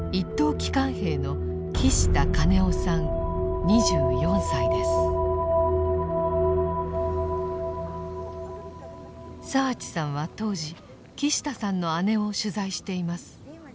機関兵の澤地さんは当時木下さんの姉を取材しています。